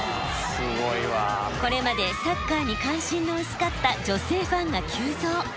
これまでサッカーに関心の薄かった女性ファンが急増。